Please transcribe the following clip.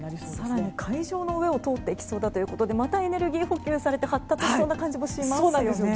更に海上を通っていきそうということでまたエネルギー補給されて発達されるような感じもしますね。